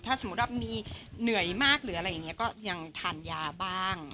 ถ้าสมมุติว่ามันนี่เหนื่อยมากก็ยังทานยาบ้าง